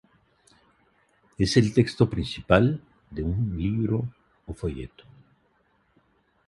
Es el texto principal de un libro o folleto.